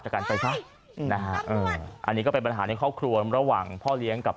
จากกันไปครับอันนี้ก็เป็นปัญหาในครอบครัวระหว่างพ่อเลี้ยงกับ